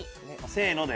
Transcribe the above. せの！で。